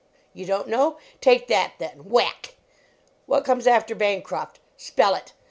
You don t know? Take that, then! (whack). What comes after Bancroft? Spell it!